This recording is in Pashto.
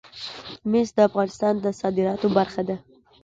مس د افغانستان د صادراتو برخه ده.